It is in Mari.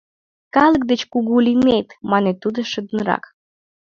— Калык деч кугу лийнет! — мане тудо шыдынрак.